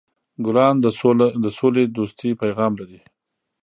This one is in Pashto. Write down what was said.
ګلان د سولهدوستۍ پیغام لري.